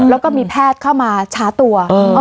แล้วก็มีแพทย์เข้ามาช้าตัว